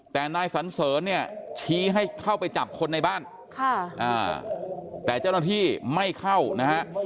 แต่นายสันเสริญเนี่ยชี้ให้เข้าไปจับคนในบ้านแต่เจ้าหน้าที่ไม่เข้านะฮะ